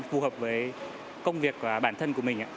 phù hợp với công việc bản thân của mình